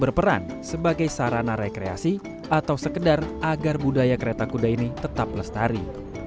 berperan sebagai sarana rekreasi atau sekedar agar budaya kereta kuda ini tetap lestari